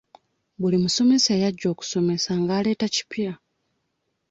Buli musomesa eyajja okusomesa ng'aleeta kipya.